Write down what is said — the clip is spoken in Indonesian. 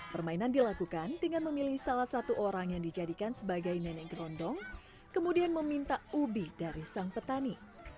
permainan dilakukan dengan memilih salah satu orang yang dijadikan sebagai nenek gerondong kemudian meminta ubi dari sang petani